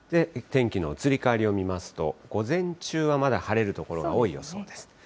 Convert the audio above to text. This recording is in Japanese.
天気の移り変わりを見ますと、午前中はまだ晴れる所が多い予想です。